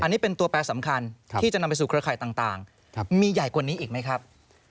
อันนี้เป็นตัวแปรสำคัญที่จะนำไปสู่เครือข่ายต่างมีใหญ่กว่านี้อีกไหมครับ